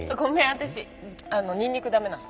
私ニンニクダメなの。